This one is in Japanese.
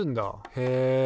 へえ。